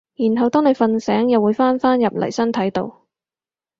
然後當你瞓醒又會返返入嚟身體度